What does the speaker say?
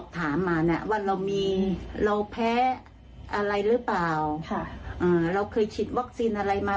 ทุกคนอยากที่จะรับวัคซีน